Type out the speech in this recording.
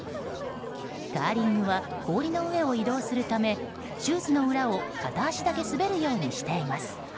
カーリングは氷の上を移動するためシューズの裏を片足だけ滑るようにしています。